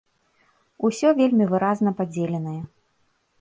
Усё вельмі выразна падзеленае.